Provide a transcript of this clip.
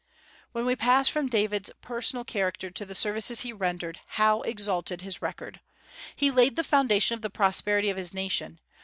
When we pass from David's personal character to the services he rendered, how exalted his record! He laid the foundation of the prosperity of his nation.